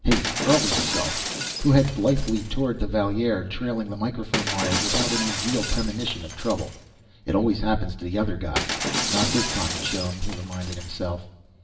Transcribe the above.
His earlier self, who had blithely toured Valier trailing the microphone wires without any real premonition of trouble. It always happens to the other guy Not this time, chum, he reminded himself.